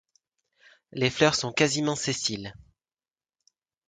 Les fleurs sont quasiment sessiles.